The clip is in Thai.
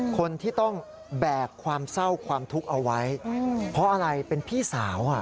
คนที่ต้องแบกความเศร้าความทุกข์เอาไว้เพราะอะไรเป็นพี่สาว